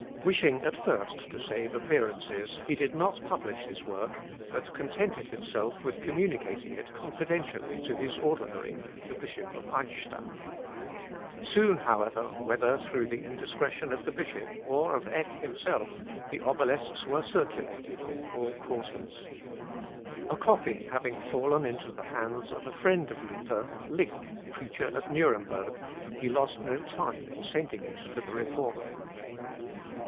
Wishing at first to save appearances, he did not publish his work, but contented himself with communicating it confidentially to his ordinary, the Bishop of Eichstädt. Soon, however, whether through the indiscretion of the bishop, or of Eck himself, the Obelisks were circulated in all quarters. A copy having fallen into the hands of a friend of Luther, Link, preacher at Nuremberg, he lost no time in sending it to the Reformer.